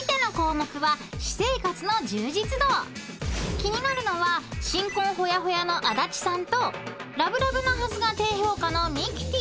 ［気になるのは新婚ほやほやの足立さんとラブラブなはずが低評価のミキティ］